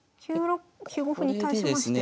９五歩に対しまして。